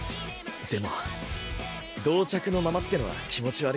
でも同着のままってのは気持ち悪いな。